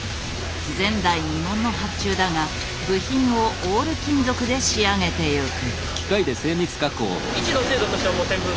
前代未聞の発注だが部品をオール金属で仕上げてゆく。